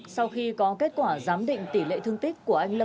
sau khi có kết quả giám định tỷ lệ thương tích